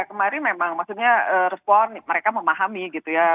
kemarin memang maksudnya respon mereka memahami gitu ya